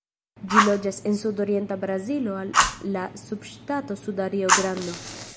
Ĝi loĝas en sudorienta Brazilo al la subŝtato Suda Rio-Grando.